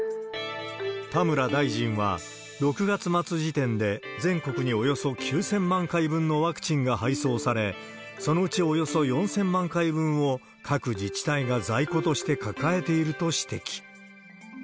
田村大臣は、６月末時点で全国におよそ９０００万回分のワクチンが配送され、そのうちおよそ４０００万回分を、各自治体が在庫として抱えていると指摘。